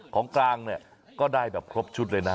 ของกลางเนี่ยก็ได้แบบครบชุดเลยนะ